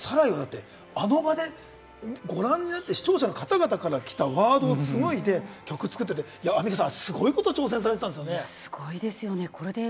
それで言うと『サライ』は、あの場でご覧になっている視聴者の方々から来たワードを紡いで曲を作ってるって、アンミカさん、すごいこと挑戦されてたんですよね。